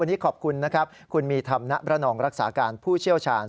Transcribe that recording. วันนี้ขอบคุณนะครับคุณมีธรรมณบรนองรักษาการผู้เชี่ยวชาญ